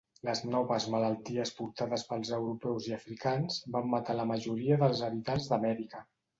Les noves malalties portades pels europeus i africans van matar la majoria dels habitants d'Amèrica.